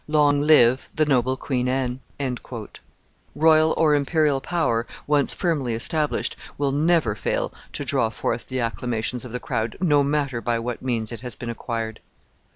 "Long live the noble Queen Anne!" Royal or imperial power, once firmly established, will never fail to draw forth the acclamations of the crowd, no matter by what means it has been acquired.